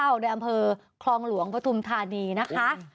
บ้านเช่าในอำเภอคลองหลวงพระธุมธานีนะคะ